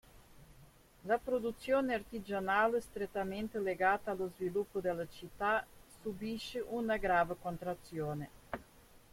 La produzione artigianale, strettamente legata allo sviluppo della città, subisce una grave contrazione.